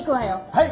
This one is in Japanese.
はい！